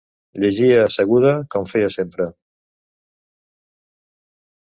Llegia asseguda, com feia sempre.